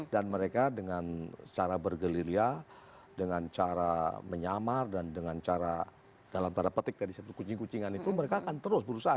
dan mereka dengan cara bergelilya dengan cara menyamar dan dengan cara dalam tanda petik dari satu kucing kucingan itu mereka akan terus berusaha